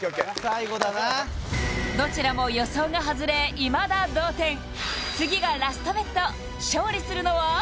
最後だなどちらも予想が外れいまだ同点次がラストＢＥＴ勝利するのは？